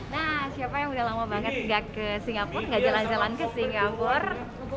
nah siapa yang udah lama banget nggak ke singapura nggak jalan jalan ke singapura